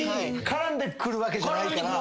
絡んでくるわけじゃないから。